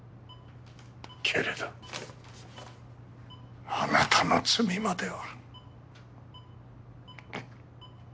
けれどあなたの罪までは。